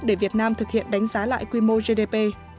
để việt nam thực hiện đánh giá lại quy mô gdp